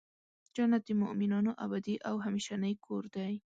جنت د مؤمنانو ابدې او همیشنی کور دی .